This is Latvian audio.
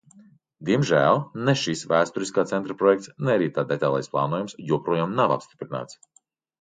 Diemžēl ne šis vēsturiskā centra projekts, ne arī tā detālais plānojums joprojām nav apstiprināts.